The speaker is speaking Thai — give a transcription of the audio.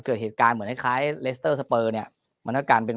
เกิดเหตุการณ์เหมือนคล้ายคล้ายเลสเตอร์สเปอร์เนี่ยมันก็กลายเป็น